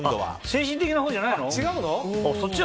精神的なほうじゃないの？